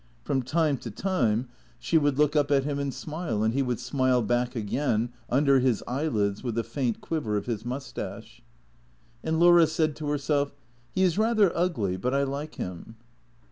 From time to time she would 209 210 THECEEATOES look up at him and smile, and he would smile back again under his eyelids with a faint quiver of his moustache. And Laura said to herself, "He is rather ugly, but I like him."